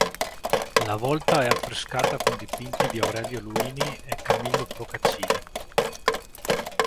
La volta è affrescata con dipinti di Aurelio Luini e Camillo Procaccini.